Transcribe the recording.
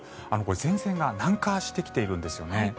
前線が南下してきているんですよね。